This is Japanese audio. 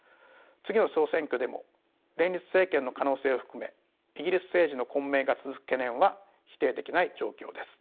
次の総選挙でも連立政権の可能性を含めイギリス政治の混迷が続く懸念は否定できない状況です。